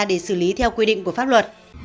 để xử lý theo quy định của pháp luật